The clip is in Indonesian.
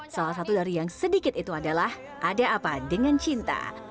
salah satu dari yang sedikit itu adalah ada apa dengan cinta